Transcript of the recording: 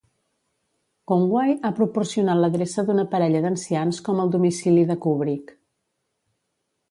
Conway ha proporcionat l'adreça d'una parella d'ancians com el domicili de Kubrick.